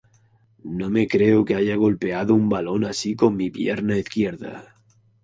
No me creo que haya golpeado un balón así con mi pierna izquierda.